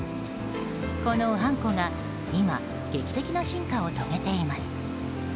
このあんこが今、劇的な進化を遂げています。